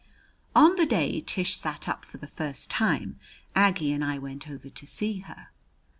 On the day Tish sat up for the first time, Aggie and I went over to see her.